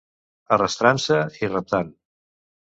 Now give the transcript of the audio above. Arrastrant-se i reptant.